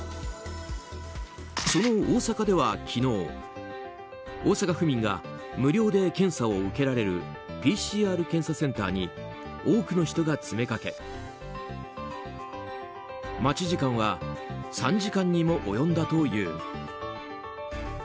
その大阪では昨日、大阪府民が無料で検査を受けられるＰＣＲ検査センターに多くの人が詰めかけ待ち時間は３時間にも及んだという。